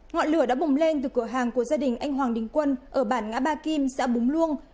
ngọn lửa đã bùng lên từ cửa hàng của gia đình anh hoàng đình quân ở bản ngã ba kim xã búng luông